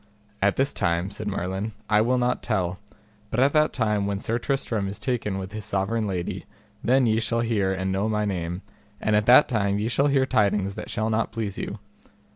At this time, said Merlin, I will not tell, but at that time when Sir Tristram is taken with his sovereign lady, then ye shall hear and know my name, and at that time ye shall hear tidings that shall not please you.